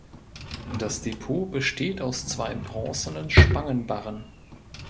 Das Depot besteht aus zwei bronzenen Spangenbarren.